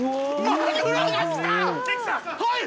はい！